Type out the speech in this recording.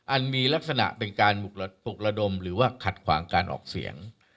มีลักษณะเป็นการปลุกระดมหรือว่าขัดขวางการออกเสียง